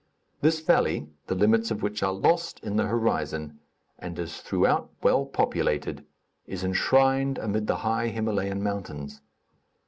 This valley, the limits of which are lost in the horizon, and is throughout well populated, is enshrined amid the high Himalayan mountains.